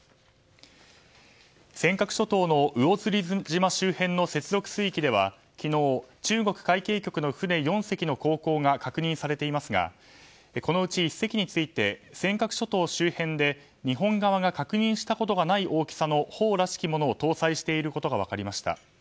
尖閣諸島の魚釣島周辺の接続水域では昨日、中国海警局の船４隻の航行が確認されていますがこのうち１隻について尖閣諸島周辺で日本側が確認したことがない大きさの砲らしきものを搭載していることが分かりました。